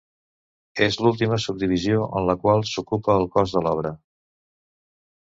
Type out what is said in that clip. És l'última subdivisió amb la qual s'ocupa el cos de l'obra.